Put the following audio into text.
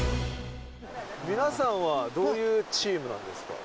皆さんはどういうチームなんですか？